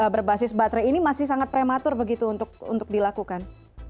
berbasis baterai ini masih sangat prematur begitu untuk dilakukan